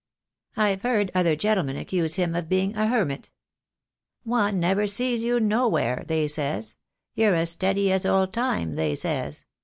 I've THE DAY WILL COME. 65 heard other gentlemen accuse him of being a hermit. 'One never sees you nowhere,' they says. 'You're as steady as Old Time/ they says.